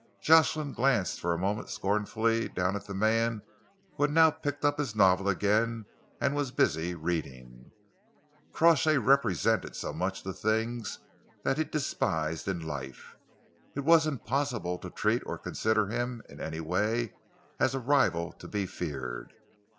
Jocelyn glanced, for a moment scornfully down at the man who had now picked up his novel again and was busy reading. Crawshay represented so much the things that he despised in life. It was impossible to treat or consider him in any way as a rival to be feared.